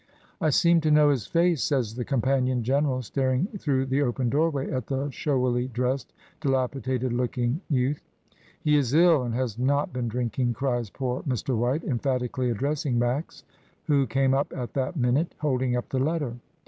"I seem to know his face," says the companion general staring through the open doorway at the showily dressed, dilapidated looking youth. "He is ill, he has not been drinking!" cries poor Mr. White, emphatically addressing Max, who came up at that minute, holding up the letter.